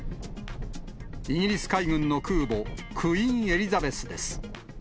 イギリス海軍の空母クイーン・エリザベスです。